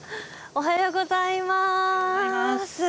おはようございます。